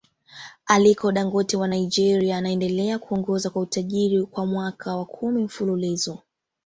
Aliko Dangote wa Nigeria anaendelea kuongoza kwa utajiri kwa mwaka wa Kumi mfululizo